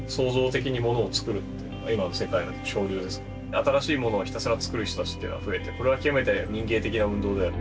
新しいものをひたすら作る人たちっていうのは増えてこれは極めて民藝的な運動である。